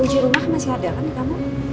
puji rumah masih ada kamu